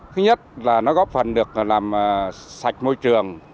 thứ nhất là nó góp phần được làm sạch môi trường